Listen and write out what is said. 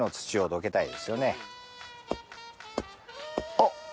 あっ！